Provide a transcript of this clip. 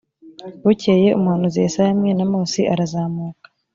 bukeye umuhanuzi yesaya mwene amosi arazamuka